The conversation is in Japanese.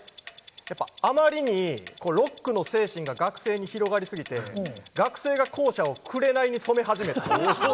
あまりにロックの精神が学生に広がりすぎて、学生が校舎を紅に染め始めた。